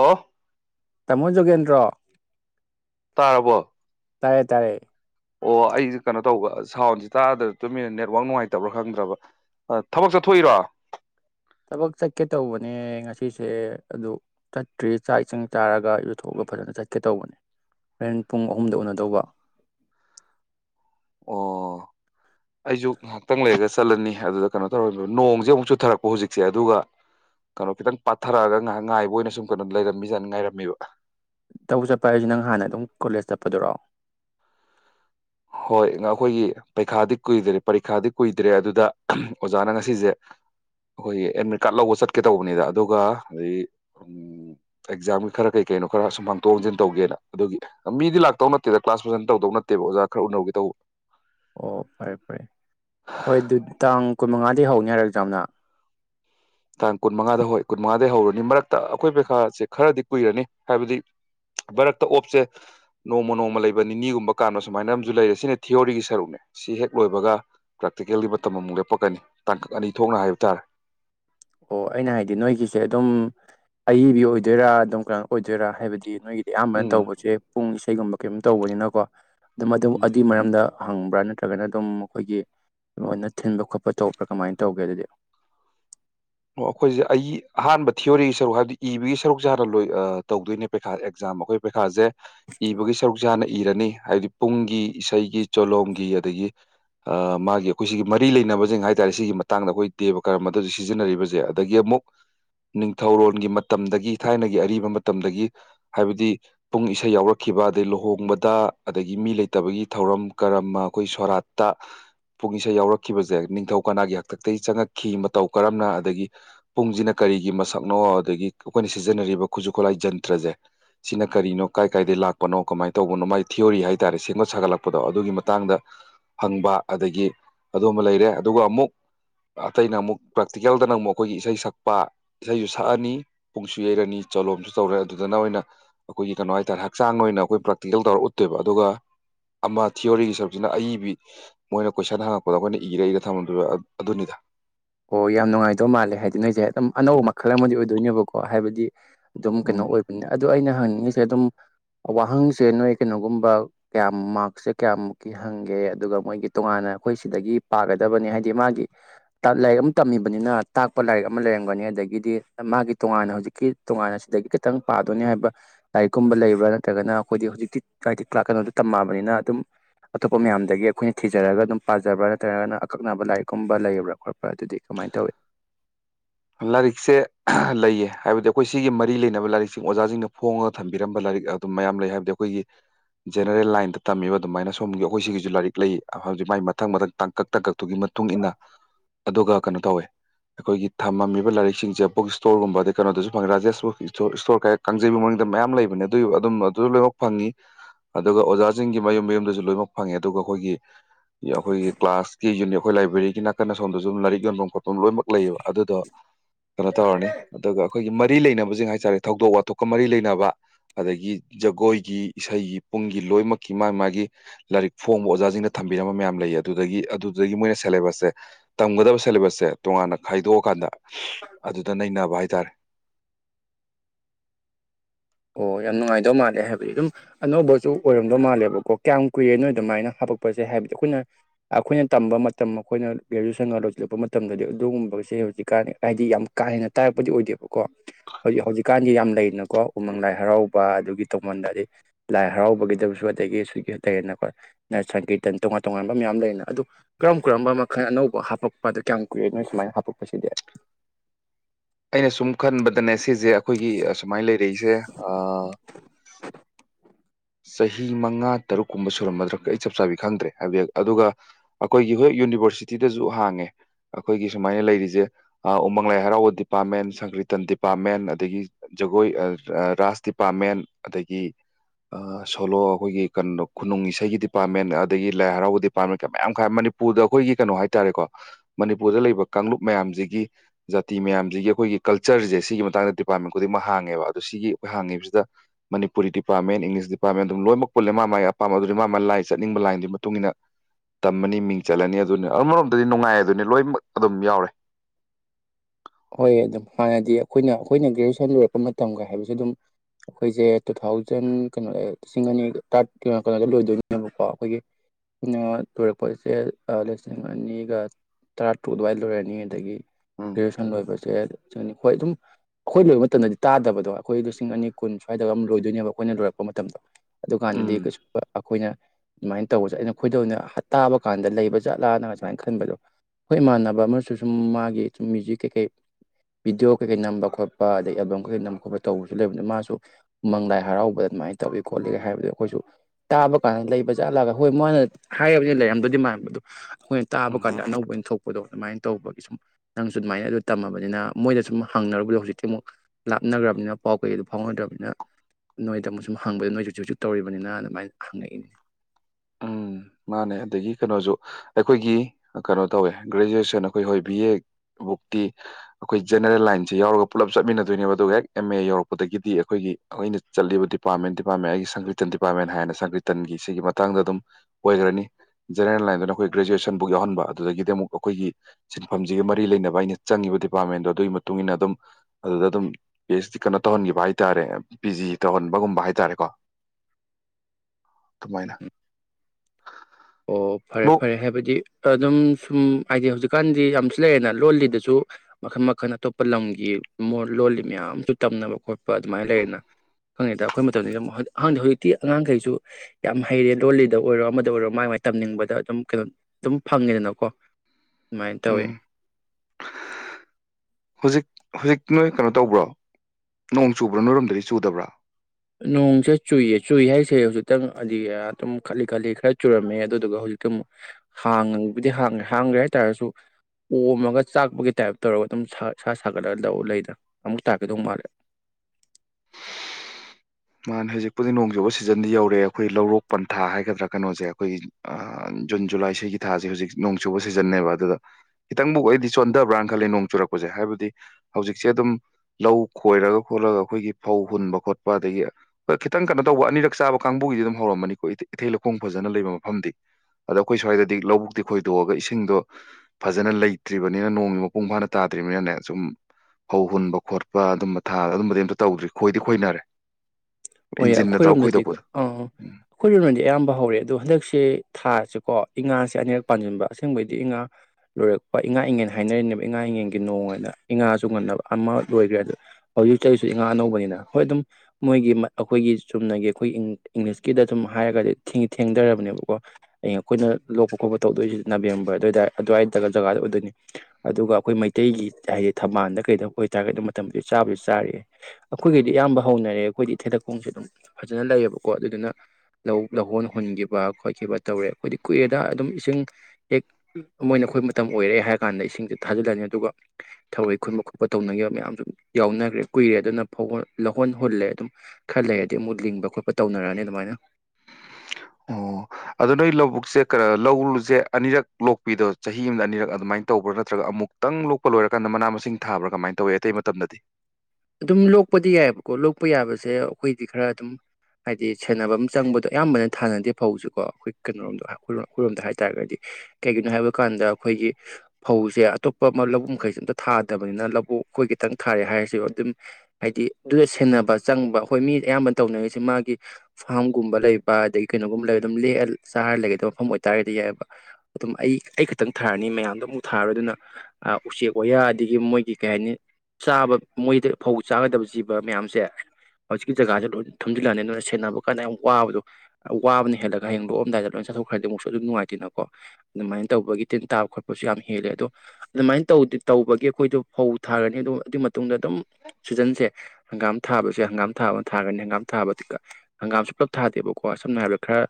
ꯍꯂ ꯇꯥꯃꯣꯖꯒꯦꯟꯗ꯭ꯔ ꯇꯥꯔꯕꯣ ꯇꯔꯦ ꯇꯔꯦ ꯑꯣ ꯑꯩꯁ ꯀꯩꯅꯣ ꯇꯧꯕ ꯁꯥꯎꯟꯁꯦ ꯇꯥꯗ꯭ꯔ ꯇꯨꯃꯤꯟꯅ ꯅꯦꯠꯋꯥꯛ ꯅꯨꯡꯉꯥꯏꯇꯕ꯭ꯔꯥ ꯈꯪꯗ꯭ꯔꯕ ꯊꯕꯛ ꯆꯠꯊꯣꯛꯏꯔꯣ ꯊꯕꯛ ꯆꯠꯀꯦ ꯇꯧꯕꯅꯦ ꯉꯁꯤꯁꯦ ꯑꯗꯨ ꯆꯠꯇ꯭ꯔꯤ ꯆꯥꯛ ꯏꯆꯪ ꯆꯥꯔꯒ ꯌꯨꯊꯣꯛꯑꯒ ꯐꯖꯅ ꯆꯠꯀꯦ ꯇꯧꯕꯅꯦ ꯣꯔꯦꯟ ꯄꯨꯡ ꯑꯍꯨꯝꯗ ꯎꯅꯗꯧꯕ ꯑꯣ ꯑꯩꯁꯨ ꯉꯥꯏꯍꯥꯛꯇꯪ ꯂꯩꯔꯒ ꯆꯠꯂꯅꯤ ꯑꯗꯨꯗ ꯀꯩꯅꯣ ꯇꯧꯔꯃꯤ ꯅꯣꯡꯁꯦ ꯑꯃꯨꯛ ꯆꯨꯊꯔꯛꯄ ꯍꯧꯖꯤꯛꯁꯦ ꯑꯗꯨꯒ ꯀꯩꯅꯣ ꯈꯤꯇꯪ ꯄꯥꯊꯔꯛꯑꯒ ꯉꯥꯏꯍꯥꯛ ꯉꯥꯏꯕ ꯑꯣꯏꯅ ꯁꯨꯝ ꯀꯩꯅꯣ ꯂꯩꯔꯝꯃꯤꯖꯥꯅ ꯉꯥꯏꯔꯝꯃꯤꯕ ꯇꯧꯕ ꯆꯠꯄ ꯍꯥꯏꯁꯤ ꯅꯪ ꯍꯥꯟꯅ ꯑꯗꯨꯝ ꯀꯣꯂꯦꯖ ꯆꯠꯄꯗꯨꯔꯣ ꯍꯣꯏ ꯑꯩꯈꯣꯏꯒꯤ ꯄꯔꯤꯈꯥꯗꯤ ꯀꯨꯏꯗ꯭ꯔꯦ ꯄꯔꯤꯈꯥꯗꯤ ꯀꯨꯏꯗ꯭ꯔꯦ ꯑꯗꯨꯗ ꯑꯣꯖꯥꯅ ꯉꯁꯤꯁꯦ ꯑꯩꯈꯣꯏꯒꯤ ꯑꯦꯗꯃꯤꯠ ꯀꯥꯔꯗ ꯂꯧꯕ ꯆꯠꯀꯦ ꯇꯧꯕꯅꯤꯗ ꯑꯗꯨꯒ ꯑꯩ ꯑꯦꯛꯖꯥꯝꯒꯤ ꯈꯔ ꯀꯩ ꯀꯩꯅꯣ ꯈꯔ ꯁꯨꯝ ꯍꯥꯡꯇꯣꯛ ꯍꯥꯡꯖꯤꯟ ꯇꯧꯒꯦꯅ ꯑꯗꯨꯒꯤ ꯃꯤꯗꯤ ꯂꯥꯛꯇꯧ ꯅꯠꯇꯦꯗ ꯀ꯭ꯂꯥꯁ ꯐꯖꯅ ꯇꯧꯗꯧ ꯅꯠꯇꯦꯕ ꯑꯣꯖꯥ ꯈꯔ ꯎꯅꯧꯒꯦ ꯇꯧꯕ ꯑꯣ ꯐꯔꯦ ꯐꯔꯦ ꯍꯣꯏ ꯑꯗꯨ ꯇꯥꯡ ꯀꯨꯟꯃꯉꯥꯗꯒꯤ ꯍꯧꯅꯤ ꯍꯥꯏꯔꯗ꯭ꯔꯥꯝꯅ ꯇꯥꯡ ꯀꯨꯟꯃꯉꯥꯗ ꯍꯣꯏ ꯀꯨꯟꯃꯉꯥꯗꯒꯤꯩ ꯍꯧꯔꯅꯤ ꯃꯔꯛꯇ ꯑꯩꯈꯣꯏ ꯄꯩꯈꯥꯁꯦ ꯈꯔꯗꯤ ꯀꯨꯏꯔꯅꯤ ꯍꯥꯏꯕꯗꯤ ꯃꯔꯛꯇ ꯑꯣꯞꯁꯦ ꯅꯣꯡꯃ ꯅꯣꯡꯃ ꯂꯩꯕ ꯅꯤꯅꯤꯒꯨꯝꯕ ꯀꯥꯟꯕ ꯁꯨꯃꯥꯏꯅ ꯑꯃꯁꯝꯨ ꯂꯩꯔꯦ ꯁꯤꯅꯦ ꯊꯤꯑꯣꯣꯔꯤꯒꯤ ꯁꯔꯨꯛꯅꯦ ꯁꯤ ꯍꯦꯛ ꯂꯣꯏꯕꯒ ꯄ꯭ꯔꯥꯛꯇꯤꯀꯦꯜꯒꯤ ꯃꯇꯝ ꯑꯃꯨꯛ ꯂꯦꯞꯄꯛꯀꯅꯤ ꯇꯥꯡꯀꯛ ꯑꯅꯤ ꯊꯣꯛꯅ ꯍꯥꯏꯕ ꯇꯥꯔꯦ ꯑꯣ ꯑꯩꯅ ꯍꯥꯏꯗꯤ ꯅꯣꯏꯒꯤꯁꯦ ꯑꯗꯨꯝ ꯑꯏꯕꯤ ꯑꯣꯏꯗꯣꯏꯔꯥ ꯑꯗꯨꯝ ꯀꯩꯅꯣ ꯑꯣꯏꯗꯣꯏꯔꯥ ꯍꯥꯏꯕꯗꯤ ꯅꯣꯏꯒꯤꯗꯤ ꯑꯌꯥꯝꯥꯟꯕꯅ ꯎꯝ ꯇꯧꯕꯁꯦ ꯄꯨꯡ ꯀꯩꯒꯨꯝꯕ ꯀꯩꯝ ꯇꯧꯕꯅꯤꯅꯀꯣ ꯃꯗꯨ ꯎꯝ ꯑꯗꯨꯏ ꯃꯔꯝꯗ ꯍꯪꯕ꯭ꯔꯥ ꯅꯠꯇ꯭ꯔꯒꯅ ꯑꯗꯨꯝ ꯑꯩꯈꯣꯏꯒꯤ ꯑꯗꯨꯃꯣꯏꯅ ꯊꯤꯟꯕ ꯈꯣꯠꯄ ꯇꯧꯕ꯭ꯔꯥ ꯀꯃꯥꯏꯅ ꯇꯧꯒꯦ ꯑꯗꯨꯗꯤ ꯑꯣ ꯑꯩꯈꯣꯏꯁꯦ ꯑꯩꯒꯤ ꯑꯍꯥꯟꯕ ꯊꯤꯑꯣꯣꯔꯤꯒꯤ ꯁꯔꯨꯛ ꯍꯥꯏꯕꯗꯤ ꯏꯕꯒꯤ ꯁꯔꯨꯛꯦ ꯍꯥꯟꯅ ꯂꯣꯏ ꯇꯧꯗꯣꯏꯅꯦ ꯄꯩꯈꯥ ꯑꯦꯛꯖꯥꯝ ꯑꯩꯈꯣꯏ ꯄꯩꯈꯥꯁꯦ ꯏꯕꯒꯤ ꯁꯔꯨꯛꯁꯦ ꯍꯥꯟꯅ ꯏꯔꯅꯤ ꯍꯥꯏꯕꯗꯤ ꯄꯨꯡꯒꯤ ꯏꯁꯩꯒꯤ ꯆꯣꯂꯣꯝꯒꯤ ꯑꯗꯒꯤ ꯃꯥꯒꯤ ꯑꯩꯈꯣꯏ ꯁꯤꯒꯤ ꯃꯔꯤ ꯂꯩꯅꯕꯁꯤꯡ ꯍꯥꯏ ꯇꯥꯔꯦ ꯁꯤꯒꯤ ꯃꯇꯥꯡꯗ ꯑꯩꯈꯣꯏ ꯗꯦꯕ ꯀꯔꯝꯕ ꯑꯗꯨ ꯁꯤꯖꯤꯟꯅꯔꯤꯕꯁꯦ ꯑꯗꯒꯤ ꯑꯃꯨꯛ ꯅꯤꯡꯊꯧꯔꯣꯟꯒꯤ ꯃꯇꯝꯗꯒꯤ ꯊꯥꯏꯅꯒꯤ ꯑꯔꯤꯕ ꯃꯇꯝꯗꯒꯤ ꯍꯥꯏꯕꯗꯤ ꯄꯨꯡ ꯏꯁꯩ ꯌꯥꯎꯔꯛꯈꯤꯕ ꯑꯗꯩ ꯂꯨꯍꯣꯡꯕꯗ ꯑꯗꯒꯤ ꯃꯤ ꯂꯩꯇꯕꯒꯤ ꯊꯧꯔꯝ ꯀꯔꯃ ꯑꯩꯈꯣꯏ ꯁꯣꯔꯥꯠꯇ ꯄꯨꯡ ꯏꯁꯩ ꯌꯥꯎꯔꯛꯈꯤꯕꯁꯦ ꯅꯤꯡꯊꯧ ꯀꯅꯥꯒꯤ ꯍꯥꯛꯇꯛꯇꯒꯤ ꯆꯪꯉꯛꯈꯤ ꯃꯇꯧ ꯀꯔꯝꯅ ꯑꯗꯒꯤ ꯄꯨꯡꯁꯤꯅ ꯀꯔꯤꯒꯤ ꯃꯁꯛꯅꯣ ꯑꯗꯒꯤ ꯑꯩꯈꯣꯏꯅ ꯁꯤꯖꯤꯟꯅꯔꯤꯕ ꯈꯨꯠꯁꯨ ꯈꯨꯠꯂꯥꯏ ꯖꯟꯇ꯭ꯔꯁꯦ ꯁꯤꯅ ꯀꯔꯤꯅꯣ ꯀꯥꯏ ꯀꯥꯏꯗꯒꯤ ꯂꯥꯛꯄꯅꯣ ꯀꯃꯥꯏꯅ ꯇꯧꯕꯅꯣ ꯃꯥꯒꯤ ꯊꯤꯑꯣꯣꯔꯤ ꯍꯥꯏꯇꯥꯔꯦ ꯁꯦꯝꯒꯠ ꯁꯥꯒꯠꯂꯛꯄꯗꯣ ꯑꯗꯨꯒꯤ ꯃꯇꯥꯡꯗ ꯍꯪꯕ ꯑꯗꯒꯤ ꯑꯗꯨꯝꯕ ꯂꯩꯔꯦ ꯑꯗꯨꯒ ꯑꯃꯨꯛ ꯑꯇꯩꯅ ꯑꯃꯨꯛ ꯄ꯭ꯔꯥꯛꯇꯤꯀꯦꯜꯗ ꯅꯪ ꯑꯃꯨꯛ ꯑꯩꯈꯣꯏꯒꯤ ꯏꯁꯩ ꯁꯛꯄ ꯏꯁꯩꯁꯨ ꯁꯛꯑꯅꯤ ꯄꯨꯡꯁꯨ ꯌꯩꯔꯅꯤ ꯆꯣꯂꯣꯝꯁꯨ ꯇꯧꯔꯅꯤ ꯑꯗꯨꯗꯅ ꯑꯣꯏꯅ ꯑꯩꯈꯣꯏꯒꯤ ꯀꯩꯅꯣ ꯍꯥꯏꯇꯥꯥꯔꯦ ꯍꯛꯆꯥꯡ ꯑꯣꯏꯅ ꯑꯩꯈꯣꯏ ꯄ꯭ꯔꯥꯛꯇꯤꯀꯦꯜ ꯇꯧꯔ ꯎꯠꯇꯣꯏꯕ ꯑꯗꯨꯒ ꯑꯃ ꯊꯤꯑꯣꯣꯔꯤꯒꯤ ꯁꯔꯨꯛꯁꯤꯅ ꯑꯏꯕꯤ ꯃꯣꯏꯅ ꯀꯣꯏꯁꯟ ꯍꯪꯉꯛꯄꯗ ꯑꯩꯈꯣꯏꯅ ꯏꯔ ꯏꯔ ꯊꯝꯃꯝꯗꯣꯏꯕ ꯑꯗꯨꯅꯤꯗ ꯑꯣ ꯌꯥꯝ ꯅꯨꯡꯉꯥꯏꯗꯧ ꯃꯥꯜꯂꯦ ꯍꯥꯏꯗꯤ ꯅꯣꯏꯁꯦꯦ ꯑꯗꯨꯝ ꯑꯅꯧꯕ ꯃꯈꯜ ꯑꯃꯗꯤ ꯑꯣꯏꯗꯣꯏꯅꯦꯕꯀꯣ ꯍꯥꯏꯕꯗꯤ ꯑꯗꯨꯝ ꯀꯩꯅꯣ ꯎꯝ ꯑꯣꯏꯕꯅꯤ ꯑꯗꯨ ꯑꯩꯅ ꯍꯪꯉ ꯉꯤꯁꯦ ꯑꯗꯨꯝ ꯋꯥꯍꯪꯁꯦ ꯅꯣꯏ ꯀꯩꯅꯣꯒꯨꯝꯕ ꯀꯌꯥꯝ ꯃꯔꯛꯁꯦ ꯀꯌꯥꯃꯨꯛꯀꯤ ꯍꯪꯒꯦ ꯑꯗꯨꯒ ꯃꯣꯏꯒꯤ ꯇꯣꯉꯥꯟꯅ ꯑꯩꯈꯣꯏ ꯁꯤꯗꯒꯤ ꯄꯥꯒꯗꯕꯅꯤ ꯍꯥꯏꯗꯤ ꯃꯥꯒꯤ ꯂꯥꯏꯔꯤꯛ ꯑꯃ ꯇꯝꯃꯤꯕꯅꯤꯅ ꯇꯥꯛꯄ ꯂꯥꯏꯔꯤꯛ ꯑꯃ ꯂꯩꯔꯝꯒꯅꯤ ꯑꯗꯒꯤꯗꯤ ꯃꯥꯒꯤ ꯇꯣꯉꯥꯟꯅ ꯍꯧꯖꯤꯛꯀꯤ ꯇꯣꯉꯥꯟꯅ ꯁꯤꯗꯒꯤ ꯈꯤꯇꯪ ꯄꯥꯗꯣꯏꯅꯤ ꯍꯥꯏꯕ ꯂꯥꯏꯔꯤꯛ ꯀꯨꯝꯕ ꯂꯩꯕ꯭ꯔꯥ ꯅꯠꯇ꯭ꯔꯒꯅ ꯑꯩꯈꯣꯏꯗꯤ ꯍꯧꯖꯤꯛꯇꯤ ꯍꯥꯏꯗꯤ ꯀ꯭ꯂꯥꯛꯀꯩꯅꯣꯗ ꯇꯝꯃꯛꯑꯕꯅꯤꯅ ꯑꯗꯨꯝ ꯑꯇꯣꯞꯄ ꯃꯌꯥꯝꯗꯒꯤ ꯑꯩꯈꯣꯏꯅ ꯊꯤꯖꯔꯒ ꯑꯗꯨꯝ ꯄꯥꯖꯕ꯭ꯔꯥ ꯅꯠꯇ꯭ꯔꯒꯅ ꯑꯀꯛꯅꯕ ꯂꯥꯏꯔꯤꯛ ꯀꯨꯝꯕ ꯂꯩꯕ꯭ꯔꯥ ꯈꯣꯠꯄ꯭ꯔꯥ ꯑꯗꯨꯗꯤ ꯀꯃꯥꯏꯅ ꯇꯧꯏꯤ ꯂꯥꯏꯔꯤꯛꯁꯦ ꯂꯩꯌꯦ ꯍꯥꯏꯕꯗꯤ ꯑꯩꯈꯣꯏ ꯁꯤꯒꯤ ꯃꯔꯤ ꯂꯩꯅꯕ ꯂꯥꯏꯔꯤꯛꯁꯤꯡ ꯑꯣꯖꯥꯁꯤꯡꯅ ꯐꯣꯡꯉꯒ ꯊꯝꯕꯤꯔꯝꯕ ꯂꯥꯏꯔꯤꯛ ꯑꯗꯨꯝ ꯃꯌꯥꯝ ꯂꯩ ꯍꯥꯏꯕꯗꯤ ꯑꯩꯈꯣꯏꯒꯤ ꯖꯦꯅꯔꯦꯜ ꯂꯥꯏꯟꯗ ꯇꯝꯃꯤꯕ ꯑꯗꯨꯃꯥꯏꯅ ꯁꯣꯝꯒꯤ ꯑꯩꯈꯣꯏ ꯁꯤꯒꯤꯁꯨ ꯂꯥꯏꯔꯤꯛ ꯂꯩ ꯍꯧꯖꯤꯛ ꯃꯥꯏ ꯃꯊꯪ ꯃꯊꯪ ꯇꯥꯡꯀꯛ ꯇꯪꯀꯛ ꯑꯗꯨꯒꯤ ꯃꯇꯨꯡ ꯃꯇꯨꯡꯏꯟꯅ ꯑꯗꯨꯒ ꯀꯩꯅꯣ ꯇꯧꯋꯦ ꯑꯩꯈꯣꯏꯒꯤ ꯊꯝꯃꯝꯃꯤꯕ ꯂꯥꯏꯔꯤꯛꯁꯦ ꯕꯨꯛ ꯁ꯭ꯇꯣꯔꯒꯨꯝꯕ ꯑꯗꯩ ꯀꯩꯅꯣꯗꯁꯨ ꯐꯪꯉꯦ ꯔꯥꯦꯁ ꯕꯨꯛ ꯁꯇꯣꯔ ꯏꯁꯇꯣꯔ ꯀ ꯀꯥꯡꯖꯩ ꯃꯡꯗ ꯃꯌꯥꯝ ꯂꯩꯕꯅꯦ ꯑꯗꯨꯒꯤ ꯑꯗꯨꯝ ꯑꯗꯨꯁꯨ ꯂꯣꯏꯅꯃꯛ ꯐꯪꯉꯤ ꯑꯗꯨꯒ ꯑꯣꯖꯥꯁꯤꯡꯒꯤ ꯃꯌꯨꯝ ꯃꯌꯨꯝꯗꯁꯨ ꯂꯣꯏꯅꯃꯛ ꯐꯪꯉꯦ ꯑꯗꯨꯒ ꯑꯩꯈꯣꯏꯒꯤ ꯑꯩꯈꯣꯏꯒꯤ ꯀ꯭ꯂꯥꯁꯀꯤ ꯌꯨꯅꯤꯠ ꯑꯩꯈꯣꯏ ꯂꯥꯏꯕ꯭ꯔꯦꯔꯤꯒꯤꯅꯥꯀꯅ ꯁꯣꯝꯗꯁꯨ ꯑꯗꯨꯝ ꯂꯥꯏꯔꯤꯛ ꯌꯣꯟꯐꯝ ꯈꯣꯠꯐꯝ ꯂꯣꯏꯅꯃꯛ ꯂꯩꯌꯦꯕ ꯑꯗꯨꯗꯣ ꯀꯩꯅꯣ ꯇꯧꯔꯅꯤ ꯑꯗꯨꯒ ꯑꯩꯈꯣꯏꯒꯤ ꯃꯔꯤ ꯂꯩꯅꯕꯁꯤꯡ ꯍꯥꯏꯇꯥꯔꯦ ꯊꯧꯗꯣꯛ ꯋꯥꯊꯣꯛꯀ ꯃꯔꯤ ꯂꯩꯅꯕ ꯑꯗꯒꯤ ꯖꯒꯣꯏꯒꯤ ꯏꯁꯩꯒꯤ ꯄꯨꯡꯒꯤ ꯂꯣꯏꯅꯃꯛꯀꯤ ꯃꯥꯒꯤ ꯃꯥꯒꯤ ꯂꯥꯏꯔꯤꯛ ꯐꯣꯡꯕ ꯑꯣꯖꯥꯁꯤꯡꯅ ꯊꯝꯕꯤꯔꯝꯕ ꯃꯌꯥꯝ ꯂꯩꯌꯦ ꯑꯗꯨꯗꯒꯤ ꯑꯗꯨꯗꯒꯤ ꯃꯣꯏꯅ ꯁꯦꯂꯦꯕꯁꯁꯦ ꯇꯝꯒꯗꯕ ꯁꯦꯂꯦꯕꯁꯁꯦ ꯇꯣꯉꯥꯟꯅ ꯈꯥꯏꯗꯣꯛꯑꯀꯥꯟꯗ ꯑꯗꯨꯗ ꯅꯩꯅꯕ ꯍꯥꯏꯇꯥꯔꯦ ꯑꯣ ꯌꯥꯝ ꯅꯨꯡꯉꯥꯏꯗꯧ ꯃꯥꯜꯂꯦ ꯍꯥꯏꯕꯗꯤ ꯑꯗꯨꯝ ꯑꯅꯧꯕꯁꯨ ꯑꯣꯏꯔꯝꯗꯧ ꯃꯥꯜꯂꯦꯕꯀꯣ ꯀꯌꯥꯝ ꯀꯨꯏꯔꯦ ꯅꯣꯏ ꯑꯗꯨꯃꯥꯏꯅ ꯍꯥꯄꯛꯄꯁꯦ ꯍꯥꯏꯕꯗꯤ ꯑꯩꯈꯣꯏꯅ ꯑꯩꯈꯣꯏꯅ ꯇꯝꯕ ꯃꯇꯝ ꯑꯩꯈꯣꯏꯅ ꯒ꯭ꯔꯦꯖꯨꯑꯦꯁꯟꯒ ꯂꯣꯏꯁꯤꯜꯂꯛꯄ ꯃꯇꯝꯗꯗꯤ ꯑꯗꯨꯒꯨꯝꯕꯁꯦ ꯍꯧꯖꯤꯛꯀꯥꯟ ꯍꯥꯏꯗꯤ ꯌꯥꯝ ꯀꯥ ꯍꯦꯟꯅ ꯇꯥꯏꯔꯛꯄꯗꯤ ꯑꯣꯏꯗꯦꯕꯀꯣ ꯍꯧꯖꯤꯛ ꯍꯧꯖꯤꯛꯀꯥꯟꯗꯤ ꯌꯥꯝ ꯂꯩꯅꯀꯣ ꯎꯃꯪ ꯂꯥꯏ ꯍꯔꯥꯎꯕ ꯑꯗꯨꯒꯤ ꯇꯣꯉꯥꯟꯗ ꯑꯩ ꯂꯥꯏ ꯍꯔꯥꯎꯕꯒꯤꯗꯕꯁꯨ ꯑꯗꯒꯤ ꯑ ꯂꯩꯅꯀꯣ ꯁꯪꯀꯤꯔꯇꯟ ꯇꯣꯉꯥꯟ ꯇꯣꯉꯥꯟꯕ ꯃꯌꯥꯝ ꯂꯩꯅ ꯑꯗꯨ ꯀꯔꯝ ꯀꯔꯝꯕ ꯃꯈꯜ ꯑꯅꯧꯕ ꯍꯥꯞꯄꯛꯄ ꯑꯗꯨꯣ ꯀꯌꯥꯝ ꯀꯨꯏꯔꯦ ꯅꯣꯏ ꯁꯨꯃꯥꯏꯅ ꯍꯥꯄꯛꯄꯁꯤꯗꯤ ꯑꯩꯅ ꯁꯨꯝ ꯈꯟꯕꯗꯅꯦ ꯁꯤꯁꯦ ꯑꯩꯈꯣꯏꯒꯤ ꯑꯁꯨꯃꯥꯏꯅ ꯂꯩꯔ ꯄꯤꯁꯦ ꯑ ꯆꯍꯤ ꯃꯉꯥ ꯇꯔꯨꯛꯀꯨꯝꯕ ꯁꯨꯔꯝꯃꯗ꯭ꯔ ꯑꯩ ꯆꯞ ꯆꯥꯕꯤ ꯈꯪꯗ꯭ꯔꯦ ꯍꯥꯏꯕꯗꯤ ꯑꯗꯨꯒ ꯑꯩꯈꯣꯏꯒꯤ ꯍꯣꯏ ꯌꯨꯅꯤꯚꯔꯁꯤꯇꯤꯗꯁꯨ ꯍꯥꯡꯉꯦ ꯑꯩꯈꯣꯏꯒꯤ ꯁꯨꯃꯥꯏꯅ ꯂꯩꯔꯤꯁꯦ ꯎꯃꯪ ꯂꯥꯏ ꯍꯔꯥꯎꯕ ꯗꯤꯄꯥꯔꯠꯃꯦꯟ ꯁꯪꯀ꯭ꯔꯤꯇꯟ ꯗꯤꯄꯥꯔꯠꯃꯦꯟ ꯑꯗꯒꯤ ꯖꯒꯣꯏ ꯔꯥꯁ ꯗꯤꯄꯥꯔꯠꯃꯦꯟ ꯑꯗꯒꯤ ꯁꯣꯂꯣ ꯑꯩꯈꯣꯏꯒꯤ ꯀꯩꯅꯣ ꯈꯨꯅꯨꯡ ꯏꯁꯩꯒꯤ ꯗꯤꯄꯥꯔꯠꯃꯦꯟ ꯑꯗꯒꯤ ꯂꯥꯏ ꯍꯔꯥꯎꯕ ꯗꯤꯄꯥꯔꯠꯃꯦꯟ ꯀ ꯃꯌꯥꯝ ꯈꯥꯏ ꯃꯅꯤꯄꯨꯔꯗ ꯑꯩꯈꯣꯏꯒꯤ ꯀꯩꯅꯣ ꯍꯥꯏ ꯇꯥꯔꯦꯀꯣ ꯃꯅꯤꯄꯨꯔꯗ ꯂꯩꯕ ꯀꯥꯡꯂꯨꯞ ꯃꯌꯥꯝꯁꯤꯒꯤ ꯖꯥꯇꯤ ꯃꯌꯥꯝꯁꯤꯒꯤ ꯑꯩꯈꯣꯏꯒꯤ ꯀꯜꯆꯔꯁꯦ ꯁꯤꯒꯤ ꯃꯇꯥꯡꯗ ꯗꯤꯄꯥꯔꯠꯃꯦꯟ ꯈꯨꯗꯤꯡꯃꯛ ꯍꯥꯡꯉꯦꯕ ꯑꯣ ꯁꯤꯒꯤ ꯑꯩꯈꯣꯏ ꯍꯥꯡꯉꯤꯕꯁꯤꯗ ꯃꯅꯤꯄꯨꯔꯤ ꯗꯤꯄꯥꯔꯠꯃꯦꯟ ꯏꯪꯂꯤꯁ ꯗꯤꯄꯥꯔꯠꯃꯦꯟ ꯑꯗꯨꯝ ꯂꯣꯏꯅꯃꯛ ꯄꯨꯜꯂꯦ ꯃꯥ ꯃꯥꯒꯤ ꯑꯄꯥꯝꯕ ꯑꯗꯨꯗꯤ ꯃꯥ ꯃꯥꯒꯤ ꯂꯥꯏ ꯆꯠꯅꯤꯡꯕ ꯂꯥꯏꯟꯗꯨꯒꯤ ꯃꯇꯨꯡ ꯏ ꯃꯇꯨꯡꯏꯟꯅ ꯇꯝꯃꯅꯤ ꯃꯤꯡ ꯆꯠꯂꯅꯤ ꯑꯗꯨꯅ ꯑꯃꯔꯣꯝꯗꯗꯤ ꯅꯨꯡꯉꯥꯏ ꯑꯗꯨꯅꯤ ꯂꯣꯏꯅꯃꯛ ꯑꯗꯨꯝ ꯌꯥꯎꯔꯦ ꯍꯣꯏ ꯑꯗꯨꯝ ꯍꯥꯟꯅꯗꯤ ꯑꯩꯈꯣꯏꯅ ꯑꯩꯈꯣꯏꯅ ꯒ꯭ꯔꯦꯖꯨꯋꯦꯁꯟ ꯂꯣꯏꯔꯛꯄ ꯃꯇꯝꯒ ꯍꯥꯏꯕꯁꯦ ꯑꯗꯨꯝ ꯑꯩꯈꯣꯏꯁꯦ ꯇꯨ ꯊꯥꯎꯖꯟ ꯀꯩꯅꯣꯗ ꯂꯤꯁꯤꯡ ꯑꯅꯤꯒ ꯇꯥ ꯀꯩꯅ ꯀꯩꯅꯣꯗ ꯂꯣꯏꯗꯣꯏꯅꯦꯕꯀꯣ ꯑꯩꯈꯣꯏꯒꯤꯈꯅ ꯂꯣꯏꯔꯛꯄꯁꯦ ꯂꯤꯁꯤꯡ ꯑꯅꯤꯒ ꯇꯔꯥꯇꯔꯨꯛ ꯑꯗꯨꯋꯥꯏꯗ ꯂꯣꯏꯔꯅꯤ ꯑꯗꯒꯤ ꯎꯝ ꯦ ꯍꯣꯏ ꯑꯗꯨꯝ ꯑꯩꯈꯣꯏ ꯂꯣꯏꯕ ꯃꯇꯝꯗꯗꯤ ꯇꯥꯗꯕꯗꯣ ꯑꯩꯈꯣꯏ ꯂꯤꯁꯤꯡ ꯑꯅꯤ ꯀꯨꯟ ꯁ꯭ꯋꯥꯏꯗꯒ ꯑꯃꯝ ꯂꯣꯏꯗꯣꯏꯅꯦꯕ ꯑꯩꯈꯣꯏꯅ ꯂꯣꯏꯔꯛꯄ ꯃꯇꯝꯗꯣ ꯑꯗꯨꯀꯥꯟꯗꯗꯤ ꯎꯝ ꯀꯩ ꯑꯩꯈꯣꯏꯅ ꯑꯗꯨꯃꯥꯏꯅ ꯇꯧꯕꯁꯦ ꯑꯩꯅ ꯑꯩꯈꯣꯏꯗ ꯑꯣꯏꯅ ꯇꯥꯕ ꯀꯥꯟꯗ ꯂꯩꯕ ꯖꯠꯂꯥꯅ ꯁꯨꯃꯥꯏꯅ ꯈꯟꯕꯗꯣ ꯑꯩꯈꯣꯏ ꯏꯃꯥꯟꯅꯕ ꯑꯃꯁꯨ ꯁꯨꯝ ꯃꯥꯒꯤ ꯁꯨꯝ ꯃ꯭ꯌꯨꯖꯤꯛ ꯀꯩꯀꯩ ꯚꯤꯗꯤꯑꯣ ꯀꯩꯀꯩ ꯅꯝꯕ ꯈꯣꯠꯄ ꯑꯗꯗꯒꯤ ꯑꯦꯜꯕꯝ ꯀꯩꯀꯩ ꯅꯝꯕ ꯈꯣꯠꯄ ꯇꯧꯕꯁꯨ ꯂꯩꯕꯗ ꯃꯥꯁꯨ ꯎꯃꯪ ꯂꯥꯏ ꯍꯔꯥꯎꯕꯗ ꯑꯗꯨꯃꯥꯏꯅ ꯇꯧꯋ ꯈꯣꯠꯂꯤꯒ ꯍꯥꯏꯕꯗꯨꯣ ꯑꯩꯈꯣꯏꯁꯨ ꯇꯥꯕ ꯀꯥꯟꯗ ꯂꯩꯕ ꯖꯥꯠꯂꯥꯒ ꯍꯣꯏ ꯃꯥꯅ ꯍꯥꯏꯔꯕꯅꯤꯅ ꯂꯩꯔꯝꯗꯗꯤ ꯃ ꯑꯗꯨ ꯍꯣꯏꯅ ꯇꯥꯕ ꯎꯝ ꯀꯥꯟꯗ ꯑꯅꯧꯕ ꯑꯩꯅ ꯊꯣꯛꯄ ꯗꯣ ꯑꯗꯨꯃꯥꯏꯅ ꯇꯧꯕꯒꯤ ꯁꯨꯝ ꯅꯪꯁꯨ ꯑꯗꯨꯃꯥꯏꯅ ꯑꯗꯨ ꯇꯝꯃꯕꯅꯤꯅ ꯃꯣꯏꯗ ꯁꯨꯝ ꯍꯪꯅꯔꯨꯕꯗꯣ ꯍꯧꯖꯤꯛꯇꯤ ꯑꯃꯨꯛ ꯂꯥꯞꯅꯈ꯭ꯔꯕꯅꯤꯅ ꯄꯥꯎ ꯀꯩ ꯑꯗꯨ ꯐꯥꯎꯅꯗ꯭ꯔꯕꯅꯤꯅ ꯅꯣꯏꯗ ꯑꯃꯨꯛ ꯁꯨꯝ ꯍꯪꯕꯗꯣ ꯅꯣꯏꯁꯨ ꯍꯧꯖꯤꯛ ꯍꯧꯖꯤꯛ ꯇꯧꯔꯤꯕꯅꯤꯅ ꯑꯗꯨꯃꯥꯏꯅ ꯍꯪꯉꯛꯏꯅꯤ ꯎꯝ ꯃꯥꯅꯦ ꯑꯗꯒꯤ ꯀꯩꯅꯣꯁꯨ ꯑꯩꯈꯣꯏꯒꯤ ꯀꯩꯅꯣ ꯇꯧꯋꯦ ꯒ꯭ꯔꯦꯖꯨꯑꯦꯁꯟ ꯑꯩꯈꯣꯏ ꯍꯣꯏ ꯕꯤ ꯑꯦꯕꯨꯛꯇꯤ ꯑꯩꯈꯣꯏ ꯖꯦꯅꯦꯔꯦꯜ ꯂꯥꯏꯟꯁꯦ ꯌꯥꯎꯔꯒ ꯄꯨꯜꯂꯞ ꯆꯠꯃꯤꯟꯅꯗꯣꯏꯅꯦꯕ ꯑꯗꯨꯒ ꯍꯦꯛ ꯑꯦꯝ ꯑꯦ ꯌꯧꯔꯛꯄꯗꯒꯤꯗꯤ ꯑꯩꯈꯣꯏꯒꯤ ꯑꯩꯅ ꯆꯠꯂꯤꯕ ꯗꯤꯄꯥꯔꯠꯃꯦꯟ ꯗꯤꯄꯥꯔꯠꯃꯦꯟ ꯑꯩꯒꯤ ꯁꯪꯒꯤ꯭ꯔꯤꯇꯟ ꯗꯤꯄꯥꯔꯠꯃꯦꯟ ꯍꯥꯏꯅ ꯁꯪꯒꯤꯔꯤꯇꯟꯒꯤ ꯁꯤꯒꯤ ꯃꯇꯥꯡꯗ ꯑꯗꯨꯝ ꯑꯣꯏꯈ꯭ꯔꯅꯤ ꯖꯦꯅꯔꯦꯜ ꯂꯥꯏꯟꯗꯨꯅ ꯑꯩꯈꯣꯏ ꯒ꯭ꯔꯦꯖꯨꯑꯦꯁꯟꯐꯥꯎ ꯌꯥꯎꯍꯟꯕ ꯑꯗꯨꯗꯒꯤꯗꯤ ꯑꯃꯨꯛ ꯑꯩꯈꯣꯏꯒꯤ ꯁꯤꯟꯐꯝꯁꯤꯒ ꯃꯔꯤ ꯂꯩꯅꯕ ꯑꯩꯅ ꯆꯪꯉꯤꯕ ꯗꯤꯄꯥꯔꯠꯃꯦꯟꯗꯣ ꯑꯗꯨꯒꯤ ꯃꯇꯨꯡ ꯏ ꯃꯇꯨꯡꯏꯟꯅ ꯑꯗꯨꯝ ꯑꯗꯨꯗ ꯑꯗꯨꯝ ꯄꯤ ꯑꯩꯆ ꯗꯤ ꯀꯩꯅꯣ ꯇꯧꯍꯟꯈꯤꯕ ꯍꯥꯏꯇꯥꯥꯔꯦ ꯄꯤ ꯖꯤ ꯇꯧꯍꯟꯕꯒꯨꯝꯕ ꯍꯥꯏ ꯇꯔꯦꯀꯣ ꯑꯗꯨꯃꯥꯏꯅ ꯑꯣ ꯐꯔꯦ ꯅꯣ ꯐꯔꯦ ꯍꯥꯏꯕꯗꯤ ꯑꯗꯨꯝ ꯁꯨꯝ ꯍꯥꯏꯗꯤ ꯍꯧꯖꯤꯛꯀꯥꯟꯗꯤ ꯌꯥꯝꯁꯨ ꯂꯩꯔꯦꯅ ꯂꯣꯜꯂꯤꯗꯁꯨ ꯃꯈꯟ ꯃꯈꯜ ꯑꯇꯣꯞꯄ ꯂꯝꯒꯤ ꯃ ꯂꯣꯜꯂꯤ ꯃꯌꯥꯝꯁꯨ ꯇꯝꯅꯕ ꯈꯣꯠꯄ ꯑꯗꯨꯃꯥꯏꯅ ꯂꯩꯔꯦꯅ ꯈꯪꯉꯦꯗ ꯑꯩꯈꯣꯏ ꯃꯇꯝꯗ ꯑꯗꯨꯝ ꯍꯪ ꯍꯧꯖꯤꯛꯇꯤ ꯑꯉꯥꯡꯈꯩꯁꯨ ꯌꯥꯝ ꯍꯩꯔꯦ ꯂꯣꯜꯂꯤꯗ ꯑꯣꯏꯔꯣ ꯑꯃꯗ ꯑꯣꯏꯔꯣ ꯃꯥꯏ ꯃꯥꯏ ꯇꯝꯅꯤꯡꯕꯗ ꯑꯗꯨꯝ ꯀꯩꯅꯣ ꯑꯗꯨꯝ ꯐꯪꯉꯤꯗꯅꯀꯣ ꯁꯨꯃꯥꯏꯅ ꯇꯧꯋꯤ ꯎꯝ ꯍꯧꯖꯤꯛ ꯍꯧꯖꯤꯛ ꯅꯣꯏ ꯀꯩꯅꯣ ꯇꯧꯕ꯭ꯔꯣ ꯅꯣꯡ ꯆꯨꯕ꯭ꯔꯥ ꯅꯔꯣꯝꯗꯗꯤ ꯆꯨꯗꯕ꯭ꯔꯥ ꯅꯣꯡꯁꯦ ꯆꯨꯏꯌꯦ ꯆꯨꯏ ꯍꯥꯏꯁꯦ ꯍꯧꯖꯤꯛꯇꯪ ꯑꯗꯤ ꯑꯗꯨꯝ ꯈꯠꯂꯤ ꯈꯠꯂꯤ ꯈꯔ ꯆꯨꯔꯝꯃꯦ ꯑꯗꯨꯗꯨꯒ ꯍꯧꯖꯤꯛꯇꯝ ꯍꯥꯡꯕꯨꯗꯤ ꯍꯥꯡꯈ꯭ꯔꯦ ꯍꯥꯡꯈ꯭ꯔꯦ ꯍꯥꯏꯇꯥꯥꯔꯁꯨ ꯑꯣꯝꯃꯒ ꯆꯥꯛꯄꯒꯤ ꯇꯥꯏꯞ ꯇꯧꯔꯒ ꯑꯗꯨꯝ ꯁꯥ ꯁꯥꯒꯠꯂꯒ ꯂꯧ ꯂꯩꯗꯅ ꯑꯃꯨꯛ ꯇꯥꯛꯀꯗꯧ ꯃꯥꯜꯂꯦ ꯃꯥꯥꯟꯅꯦ ꯍꯧꯖꯤꯛꯄꯨꯗꯤ ꯅꯣꯡ ꯆꯨꯕ ꯁꯤꯖꯟꯗꯤ ꯌꯧꯔꯛꯦ ꯑꯩꯈꯣꯏ ꯂꯧꯔꯣꯛ ꯄꯟꯊꯥ ꯍꯥꯏꯒꯗ꯭ꯔꯥ ꯀꯩꯅꯣꯁꯦ ꯑꯩꯈꯣꯏꯒꯤ ꯖꯨꯟ ꯖꯨꯂꯥꯏ ꯁꯤꯒꯤ ꯊꯥꯁꯦ ꯍꯧꯖꯤꯛ ꯅꯣꯡ ꯆꯨꯕ ꯁꯤꯖꯟꯅꯦꯕ ꯑꯗꯨꯗ ꯈꯤꯇꯪꯕꯨ ꯑꯩꯗꯤ ꯆꯣꯟꯊꯕ꯭ꯔꯅ ꯈꯂꯦ ꯅꯣꯡ ꯆꯨꯔꯛꯄꯁꯦ ꯍꯥꯏꯕꯗꯤ ꯍꯧꯖꯤꯛꯁꯦ ꯑꯗꯨꯝ ꯂꯧ ꯈꯣꯏꯔꯒ ꯈꯣꯠꯂꯒ ꯑꯩꯈꯣꯏꯒꯤ ꯐꯧ ꯍꯨꯟꯕ ꯈꯣꯠꯄ ꯑꯗꯒꯤ ꯈꯤꯇꯪ ꯀꯩꯅꯣ ꯇꯧꯕ ꯑꯅꯤꯔꯛ ꯆꯥꯕ ꯀꯥꯡꯕꯨꯒꯤꯗꯤ ꯑꯗꯨꯝ ꯍꯧꯔꯝꯃꯅꯤꯀꯣ ꯏꯊꯩ ꯂꯧꯈꯣꯡ ꯐꯖꯅ ꯂꯩꯕ ꯃꯐꯝꯗꯤ ꯑꯗꯣ ꯑꯩꯈꯣꯏ ꯁ꯭ꯋꯥꯏꯗꯗꯤ ꯂꯧꯕꯨꯛꯇꯤ ꯈꯣꯏꯗꯣꯛꯑꯒ ꯏꯁꯤꯡꯗꯣ ꯐꯖꯅ ꯂꯩꯇ꯭ꯔꯤꯕꯅꯤꯅ ꯅꯣꯡꯒꯤ ꯃꯄꯨꯡ ꯐꯥꯅ ꯇꯥꯗ꯭ꯔꯤꯕꯅꯤꯅꯅꯦ ꯁꯨꯝ ꯐꯧ ꯍꯨꯟꯕ ꯈꯣꯠꯄ ꯑꯗꯨꯝꯕ ꯃ ꯊꯥ ꯑꯗꯨꯝꯕꯗꯤ ꯑꯝꯇ ꯇꯧꯗ꯭ꯔꯤ ꯈꯣꯏꯗꯤ ꯈꯣꯏꯅꯔꯦ ꯍꯣꯏ ꯌꯥꯏ ꯏꯟꯖꯤꯟꯅ ꯇꯧꯔ ꯑꯩꯈꯣꯏꯔꯣꯝꯗꯗꯤ ꯈꯣꯏꯗꯣꯛꯄꯗꯣ ꯑꯥ ꯎꯝ ꯑꯩꯈꯣꯏꯔꯣꯝꯗꯗꯤ ꯑꯌꯥꯝꯕ ꯍꯧꯔꯦ ꯑꯗꯣ ꯍꯟꯗꯛꯁꯦ ꯊꯥꯦ ꯀꯣ ꯏ ꯉꯥꯁꯦ ꯑꯅꯤꯔꯛ ꯄꯥꯟꯁꯤꯟꯕ ꯑꯁꯦꯡꯕꯩꯗꯤ ꯏꯉꯥ ꯂꯣꯏꯔꯛꯄ ꯏꯉꯥ ꯏꯉꯦꯟ ꯍꯥꯏꯅꯔꯤꯅꯦꯕ ꯏꯉꯥ ꯏꯉꯦꯟꯒꯤ ꯅꯣꯡꯅ ꯏꯉꯥꯁꯨ ꯉꯟꯅꯕ ꯑꯃ ꯂꯣꯏꯈ꯭ꯔꯦ ꯑꯗ ꯍꯧꯖꯤꯛꯛꯇꯁꯨ ꯏꯉꯥ ꯑꯅꯧꯕꯅꯤꯅ ꯍꯣꯏ ꯑꯗꯨꯝ ꯃꯣꯏꯒꯤ ꯑꯩꯈꯣꯏꯒꯤ ꯆꯨꯝꯅꯒꯤ ꯑꯩꯈꯣꯏ ꯏꯪꯂꯤꯁꯀꯤꯗ ꯁꯨꯝ ꯍꯥꯏꯔꯒꯗꯤ ꯊꯦꯡꯊꯔꯕꯅꯦꯕꯀꯣ ꯑꯡ ꯑꯩꯈꯣꯏꯅ ꯂꯣꯛꯄ ꯈꯣꯠꯄ ꯇꯧꯗꯣꯏꯁꯤ ꯅꯕꯦꯝꯕꯔ ꯑꯗꯨꯋꯥꯏꯗꯥꯏ ꯑꯗꯨꯋꯥꯏꯗꯒ ꯖꯒꯥꯗ ꯑꯣꯏꯗꯣꯏꯅꯤ ꯑꯗꯨꯒ ꯑꯩꯈꯣꯏ ꯃꯩꯇꯩꯒꯤ ꯍꯥꯏꯗꯤ ꯊꯝꯕꯥꯜꯗ ꯀꯩꯗ ꯑꯣꯏꯇꯥꯥꯔꯒꯗꯤ ꯃꯇꯝꯗꯨ ꯆꯥꯕꯁꯨ ꯆꯥꯔꯦ ꯑꯩꯈꯣꯏꯒꯩꯗꯤ ꯑꯌꯥꯝꯕ ꯍꯧꯅꯔꯦ ꯑꯩꯈꯣꯏꯗꯤ ꯊꯗꯛꯄ ꯃꯈꯣꯡꯁꯦ ꯑꯗꯨꯝ ꯐꯖꯅ ꯂꯩꯌꯦꯕꯀꯣ ꯑꯗꯨꯗꯨꯅ ꯂꯧ ꯂꯧꯍꯣꯟ ꯍꯨꯟꯈꯤꯕ ꯈꯣꯠꯈꯤꯕ ꯇꯧꯔꯦ ꯑꯩꯈꯣꯏꯗꯤ ꯀꯨꯏꯔꯦꯗ ꯑꯗꯨꯝ ꯏꯁꯤꯡ ꯍꯦꯛ ꯃꯣꯏꯅ ꯑꯩꯈꯣꯏ ꯃꯇꯝ ꯑꯣꯏꯔꯦ ꯍꯥꯏꯔ ꯀꯥꯟꯗ ꯏꯁꯤꯡꯁꯦ ꯊꯥꯖꯤꯜꯂꯅꯤ ꯑꯗꯨꯒ ꯊꯔꯩ ꯈꯨꯟꯕ ꯈꯣꯠꯄ ꯇꯧꯅꯈꯤꯕ ꯃꯌꯥꯝꯁꯨ ꯌꯥꯎꯅꯈ꯭ꯔꯦ ꯀꯨꯏꯔꯦ ꯑꯗꯨꯅ ꯐꯧ ꯂꯧꯍꯣꯟ ꯍꯨꯜꯂꯦ ꯑꯗꯨꯝ ꯈꯔ ꯂꯩꯔꯗꯤ ꯑꯃꯨꯛ ꯂꯤꯡꯕ ꯈꯣꯠꯄ ꯇꯧꯅꯔꯛꯑꯅꯤ ꯑꯗꯨꯃꯥꯏꯅ ꯑꯣ ꯑꯗꯣ ꯅꯣꯏ ꯂꯧꯕꯨꯛꯁꯦꯔ ꯂꯧꯁꯦ ꯑꯅꯤꯔꯛ ꯂꯣꯛꯄꯤꯗꯣ ꯆꯍꯤ ꯑꯃꯗ ꯑꯅꯤꯔꯛ ꯑꯗꯨꯃꯥꯏꯅ ꯇꯧꯕ꯭ꯔꯥ ꯅꯠꯇ꯭ꯔꯒ ꯑꯃꯨꯛꯇꯪ ꯂꯣꯛꯄ ꯂꯣꯏꯔꯀꯥꯟꯗ ꯃꯅꯥ ꯃꯁꯤꯡ ꯊꯥꯕ꯭ꯔꯥ ꯀꯃꯥꯏꯅ ꯇꯧꯏꯤ ꯑꯇꯩ ꯃꯇꯝꯗꯗꯤ ꯑꯗꯨꯝ ꯂꯣꯛꯄꯗꯤ ꯌꯥꯏꯑꯕꯀꯣ ꯂꯣꯛꯄ ꯌꯥꯕꯁꯦ ꯑꯩꯈꯣꯏꯗꯤ ꯈꯔ ꯑꯗꯨꯝ ꯍꯥꯏꯗꯤ ꯁꯦꯟꯅꯕ ꯑꯃ ꯆꯪꯕꯗꯣ ꯑꯌꯥꯝꯕꯅ ꯊꯥꯅꯗꯦ ꯐꯧꯁꯦꯀꯣ ꯑꯩꯈꯣꯏ ꯀꯩꯅꯣꯔꯣꯝꯗ ꯑꯩꯈꯣꯏꯔꯣꯝꯗ ꯍꯥꯏ ꯇꯥꯔꯒꯗꯤ ꯀꯩꯒꯤꯅꯣ ꯍꯥꯏꯕ ꯀꯥꯟꯗ ꯑꯩꯈꯣꯏꯒꯤ ꯐꯧꯁꯦ ꯑꯇꯣꯞꯄ ꯑꯃ ꯂꯧꯕꯨꯛ ꯃꯈꯩꯁꯦ ꯑꯝꯇ ꯊꯥꯗꯕꯅꯤꯅ ꯂꯧꯕꯨꯛ ꯑꯩꯈꯣꯏ ꯈꯤꯇꯪ ꯊꯥꯔꯦ ꯍꯥꯏꯔꯁ ꯑꯗꯨꯝ ꯍꯥꯏꯗꯤ ꯑꯗꯨꯗ ꯁꯦꯟꯅꯕ ꯆꯪꯕ ꯑꯩꯈꯣꯏ ꯃꯤ ꯑꯌꯥꯝꯕꯅ ꯇꯧꯅꯉꯁꯤꯦ ꯃꯥꯒꯤ ꯐꯥꯝꯒꯨꯝꯕ ꯂꯩꯕ ꯑꯗꯒꯤ ꯀꯩꯅꯣꯒꯨꯝꯕ ꯂꯩꯕ ꯑꯗꯨꯝ ꯂꯦꯛꯑ ꯆꯥꯔ ꯂꯩꯒꯗꯕ ꯃꯐꯝ ꯑꯣꯏꯇꯥꯔꯒꯗꯤ ꯌꯥꯏꯑꯕ ꯑꯗꯨꯝ ꯑꯩ ꯑꯩ ꯈꯛꯇꯪ ꯊꯥꯔꯅꯤ ꯃꯌꯥꯝꯗꯣ ꯑꯃꯨꯛ ꯊꯥꯔꯣꯏ ꯑꯗꯨꯅ ꯎꯆꯦꯛ ꯋꯥꯌꯥ ꯑꯗꯒꯤ ꯃꯣꯏꯒꯤ ꯀꯩ ꯍꯥꯏꯅꯤ ꯆꯥꯕ ꯃꯣꯏꯗ ꯐꯧ ꯆꯥꯒꯗꯕ ꯖꯤꯕ ꯃꯌꯥꯝꯁꯦ ꯍꯧꯖꯤꯛꯀꯤ ꯖꯒꯥꯁꯦ ꯂꯣꯏ ꯊꯨꯝꯝꯖꯤꯜꯂꯛꯅꯤ ꯑꯗꯨꯣꯏꯅ ꯁꯦꯟꯅꯕ ꯀꯥꯟꯗ ꯌꯥꯝ ꯋꯥꯕꯗꯣ ꯋꯥꯕꯅ ꯍꯦꯜꯂꯒ ꯍꯦꯟꯗꯣꯛꯑꯝꯗꯥꯏꯗ ꯂꯣꯏ ꯆꯠꯊꯣꯛꯈ꯭ꯔꯗꯤ ꯑꯃꯨꯛꯁꯨ ꯑꯗꯨꯝ ꯅꯨꯡꯉꯥꯏꯇꯦꯅꯀꯣ ꯑꯗꯨꯃꯥꯏꯅ ꯇꯧꯕꯒꯤ ꯇꯤꯟ ꯇꯥꯕ ꯈꯣꯠꯄꯁꯨ ꯌꯥꯝ ꯍꯦꯜꯂꯦ ꯑꯗꯣ ꯑꯗꯨꯃꯥꯏꯅ ꯇꯧ ꯇꯧꯕꯒꯤ ꯑꯩꯈꯣꯏꯗꯣ ꯐꯧ ꯊꯥꯔꯅꯤ ꯑꯗꯨ ꯑꯗꯨ ꯃꯇꯨꯡꯨꯡꯗ ꯑꯗꯨꯝ ꯁꯤꯖꯟꯁꯦ ꯍꯪꯒꯥꯝ ꯊꯥꯕꯁꯦ ꯍꯪꯒꯥꯝ ꯊꯥꯕ ꯑꯃ ꯊꯥꯈ꯭ꯔꯅꯤ ꯍꯪꯒꯥꯝ ꯊꯥꯕ ꯍꯪꯒꯥꯝꯁꯨ ꯄꯨꯜꯂꯞ ꯊꯥꯗꯦꯕꯀꯣ ꯁꯝꯅ ꯍꯥꯏꯔꯕꯗ ꯈꯔ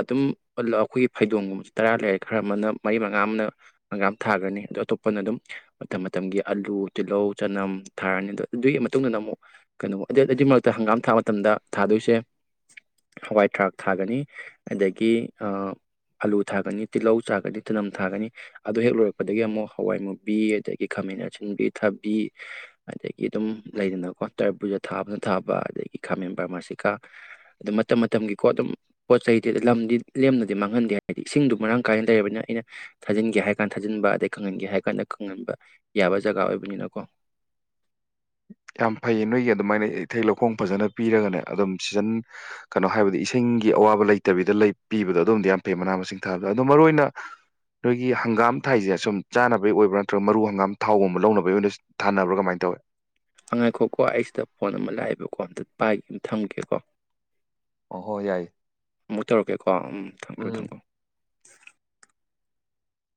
ꯑꯗꯨꯝ ꯑꯩꯈꯣꯏꯒꯤ ꯐꯩꯗꯣꯡꯒꯨꯝꯕꯕꯁꯤꯦ ꯇꯔꯥ ꯂꯩꯔꯦ ꯈꯔ ꯑꯃꯅ ꯃꯔꯤ ꯃꯉꯥ ꯑꯃꯅ ꯍꯪꯒꯥꯝ ꯊꯥꯈ꯭ꯔꯅꯤ ꯑꯗꯣ ꯑꯇꯣꯞꯄꯅ ꯑꯗꯨꯝ ꯃꯇꯝ ꯃꯇꯝꯒꯤ ꯑꯂꯨ ꯇꯤꯜꯍꯧ ꯆꯅꯝ ꯊꯥꯔꯅꯤ ꯑꯗꯣ ꯑꯗꯨꯒꯤ ꯃꯇꯨꯡ ꯏꯟꯅ ꯑꯃꯨꯛ ꯀꯩꯅꯣ ꯑꯗꯨ ꯑꯗꯨꯒꯤ ꯃꯔꯛꯇ ꯍꯪꯒꯥꯝ ꯊꯥ ꯃꯇꯝꯗ ꯊꯥꯗꯣꯏꯁꯦ ꯍꯋꯥꯏ ꯊꯔꯥꯛ ꯊꯥꯒꯅꯤ ꯑꯗꯒꯤ ꯑꯂꯨ ꯊꯥꯒꯅꯤ ꯇꯤꯜꯍꯧ ꯆꯥꯒꯅꯤ ꯊꯅꯝ ꯊꯥꯒꯅꯤ ꯑꯗꯨ ꯍꯦꯛ ꯂꯣꯏꯔꯛꯄꯗꯒꯤ ꯑꯃꯨꯛ ꯍꯋꯥꯏ ꯃꯨꯕꯤ ꯑꯗꯒꯤ ꯈꯥꯃꯦꯟ ꯑꯁꯤꯟꯕꯤ ꯊꯕꯤ ꯑꯗꯒꯤ ꯑꯗꯨꯝ ꯂꯩꯗꯅꯀꯣ ꯇꯔꯕꯨꯖ ꯊꯥꯕꯅ ꯊꯥꯕ ꯑꯗꯒꯤ ꯈꯥꯃꯦꯟ ꯕꯔꯃꯥꯁꯤꯀꯥ ꯑꯗꯨꯝ ꯃꯇꯝ ꯃꯇꯝꯒꯤꯀꯣ ꯑꯗꯨꯝ ꯄꯣꯠ ꯆꯩꯗꯤ ꯂꯝꯗꯤ ꯂꯦꯝꯅꯗꯤ ꯃꯥꯡꯍꯟꯗꯦ ꯍꯥꯏꯕꯗꯤ ꯏꯁꯤꯡꯗꯨ ꯃꯔꯥꯡ ꯀꯥꯏꯅ ꯂꯩꯔꯕꯅꯤꯅ ꯑꯩꯅ ꯊꯥꯖꯤꯟꯒꯦ ꯍꯥꯏ ꯀꯥꯟꯗ ꯊꯥꯖꯤꯟꯕ ꯑꯗꯩ ꯈꯪꯍꯟꯒꯦ ꯍꯥꯏ ꯀꯥꯟꯗ ꯈꯪꯍꯟꯕ ꯌꯥꯕ ꯖꯒꯥ ꯑꯣꯏꯕꯅꯤꯅꯀꯣ ꯌꯥꯝ ꯐꯩ ꯅꯣꯏꯒꯤ ꯑꯗꯨꯃꯥꯏꯅ ꯏꯊꯩ ꯂꯧꯈꯣꯡ ꯐꯖꯅ ꯄꯤꯔꯒꯅꯦ ꯑꯗꯨꯝ ꯁꯤꯖꯟ ꯀꯩꯅꯣ ꯍꯥꯏꯕꯗꯤ ꯏꯁꯤꯡꯒꯤ ꯑꯋꯥꯕ ꯂꯩꯇꯕꯤꯗ ꯄꯤꯕꯗꯣ ꯑꯗꯨꯝꯗꯤ ꯌꯥꯝ ꯐꯩ ꯃꯅꯥ ꯃꯁꯤꯡ ꯊꯥꯕꯗ ꯑꯗꯣ ꯃꯔꯨꯑꯣꯏ ꯑꯣꯏꯅ ꯅꯣꯏꯒꯤ ꯍꯪꯒꯥꯝ ꯊꯥꯏꯁꯦ ꯁꯨꯝ ꯆꯥꯅꯕꯒꯤ ꯑꯣꯏꯕ꯭ꯔꯥ ꯅꯠꯇ꯭ꯔꯒ ꯃꯔꯨ ꯍꯪꯒꯥꯝ ꯊꯥꯎꯒꯨꯝꯕ ꯂꯧꯅꯕꯒꯤ ꯑꯣꯏꯅ ꯊꯥꯅꯕ꯭ꯔꯥ ꯀꯃꯥꯏꯅ ꯇꯧꯋꯦ ꯑꯉꯥꯏꯈꯣꯀꯣ ꯑꯩꯁꯤꯗ ꯐꯣꯟ ꯑꯃ ꯂꯥꯛꯑꯦꯕꯀꯣ ꯍꯟꯗꯛ ꯄꯥꯏꯒꯦ ꯑꯃ ꯊꯝꯒꯦꯀꯣ ꯑꯍꯣ ꯌꯥꯏ ꯃꯨ ꯇꯔꯛꯦ ꯑꯥ ꯎꯝ ꯊꯝꯕꯤꯌꯣ ꯎꯝ ꯊꯝꯕꯤꯌꯣꯨ